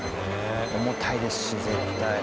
重たいですし絶対。